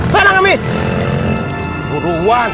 kena ngemis burung won